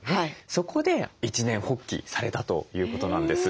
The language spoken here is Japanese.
そこで一念発起されたということなんです。